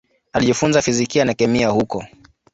Alijifunza fizikia na kemia huko.